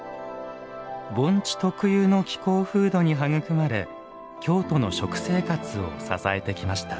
盆地特有の気候風土に育まれ京都の食生活を支えてきました。